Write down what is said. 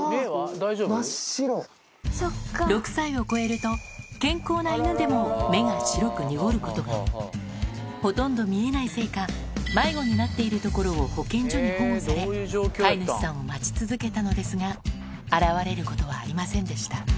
６歳を超えると健康な犬でも目が白く濁ることがほとんど見えないせいか保護され飼い主さんを待ち続けたのですが現れることはありませんでした